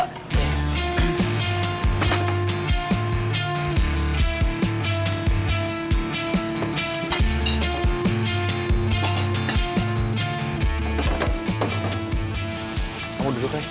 kamu duduk ya